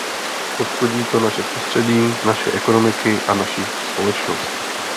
Poškodí to naše prostředí, naše ekonomiky a naši společnost.